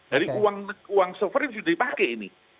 jadi uang sofrane sudah dipakai ini